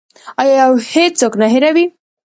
آیا او هیڅوک نه هیروي؟